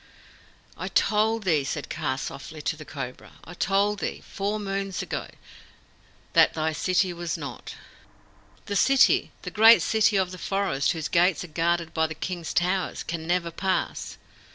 "I told thee," said Kaa softly to the Cobra, "I told thee, four moons ago, that thy city was not." "The city the great city of the forest whose gates are guarded by the King's towers can never pass.